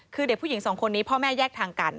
คือเด็กผู้หญิงสองคนนี้พ่อแม่แยกทางกัน